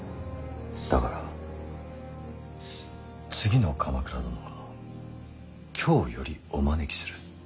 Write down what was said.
だから次の鎌倉殿は京よりお招きする。